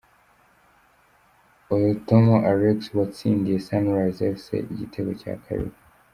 Orotomal Alex watsindiye Sunrise Fc igitego cya kabiri.